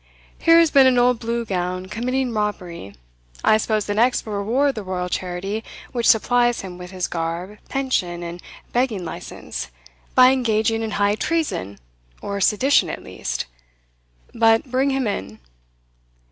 Here has been an old Blue Gown committing robbery I suppose the next will reward the royal charity which supplies him with his garb, pension, and begging license, by engaging in high treason, or sedition at least But bring him in."